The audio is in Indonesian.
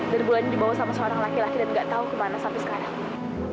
dan bulannya dibawa sama seorang laki laki dan gak tau kemana sampai sekarang